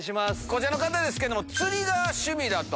こちらの方ですけども。